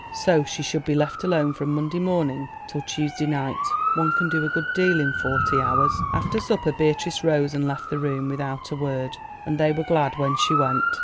So she should be left alone from Monday morning till Tuesday night. One can do a good deal in forty hours. After supper Beatrice rose and left the room, without a word, and they were glad when she went.